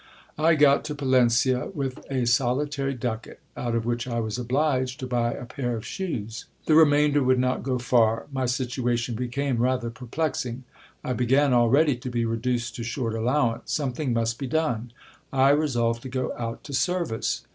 I got to Palencia with a solitary ducat, out of which I was obliged to buy a pair 38 GIL BLAS. of shoes. The remainder would not go far. My situation became rather per plexing. I began already to be reduced to short allowance ; something must be done. I resolved to go out to service.